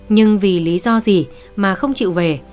nhưng vì lý do gì mà không chịu về